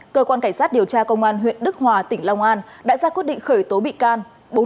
cơ quan cảnh sát điều tra công an huyện đức hòa tỉnh long an đã ra quyết định khởi tố bị can